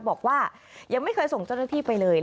บอกว่ายังไม่เคยส่งเจ้าหน้าที่ไปเลย